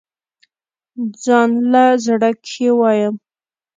ځانله زړۀ کښې وايم